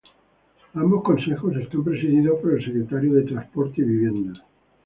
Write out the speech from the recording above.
Ambos consejos están presididos por el Secretario de Transporte y Vivienda.